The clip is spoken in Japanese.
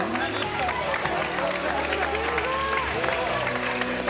すごい。